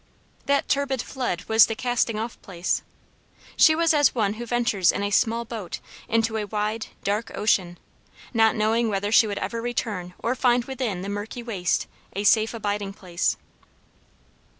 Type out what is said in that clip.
That "turbid flood" was the casting off place. She was as one who ventures in a small boat into a wide, dark ocean, not knowing whether she would ever return or find within the murky waste a safe abiding place.